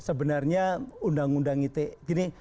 sebenarnya undang undang ite gini